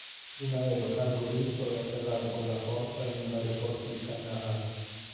Un aereo cargo russo è atterrato con la forza in un aeroporto di Kandahar.